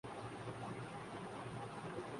کہ شبانہ اعظمی کو فوری طور پر ممبئی کے